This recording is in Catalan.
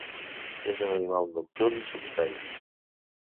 És un animal nocturn i solitari.